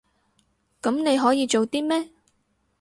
噉你可以做啲咩？